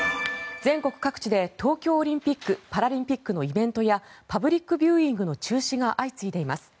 全国各地で東京オリンピック・パラリンピックのイベントやパブリックビューイングの中止が相次いでいます。